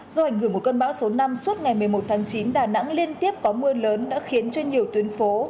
do ảnh hưởng của cơn bão số năm suốt ngày một mươi một tháng chín đà nẵng liên tiếp có mưa lớn đã khiến cho nhiều tuyến phố